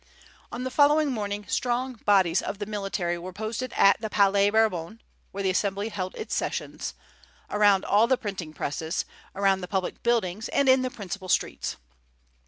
On the following morning strong bodies of the military were posted at the Palais Bourbon (where the Assembly held its sessions), around all the printing presses, around the public buildings, and in the principal streets.